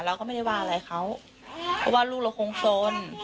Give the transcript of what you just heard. เราก็ไม่ได้ว่าอะไรเขาเพราะว่าลูกเราคงสน